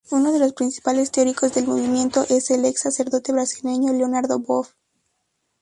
Uno de los principales teóricos del movimiento es el ex sacerdote brasileño Leonardo Boff.